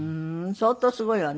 相当すごいわね。